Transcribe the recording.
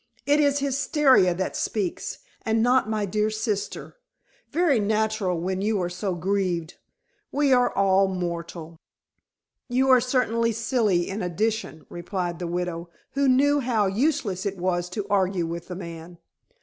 "It is hysteria that speaks, and not my dear sister. Very natural when you are so grieved. We are all mortal." "You are certainly silly in addition," replied the widow, who knew how useless it was to argue with the man.